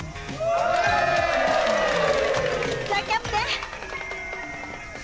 さあキャプテン。